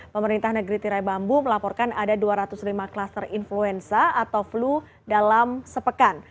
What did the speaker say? pemerintah negeri tirai bambu melaporkan ada dua ratus lima klaster influenza atau flu dalam sepekan